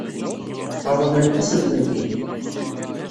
Ṛeḍlent-asen-tent-id?